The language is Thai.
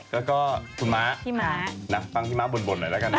แล้วก็คุณม้าฟังพี่ม้าบ่นหน่อยละกันนะ